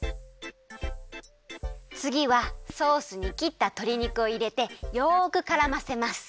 つぎはソースにきったとり肉をいれてよくからませます。